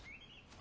あ。